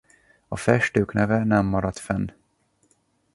A festők neve nem maradt fenn.